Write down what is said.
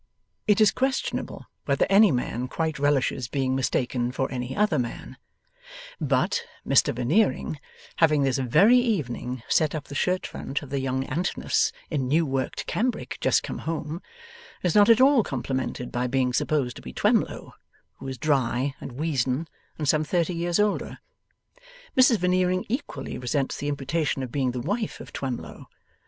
It is questionable whether any man quite relishes being mistaken for any other man; but, Mr Veneering having this very evening set up the shirt front of the young Antinous in new worked cambric just come home, is not at all complimented by being supposed to be Twemlow, who is dry and weazen and some thirty years older. Mrs Veneering equally resents the imputation of being the wife of Twemlow.